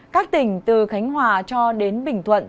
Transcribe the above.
các tỉnh từ khánh hòa cho đến bình thuận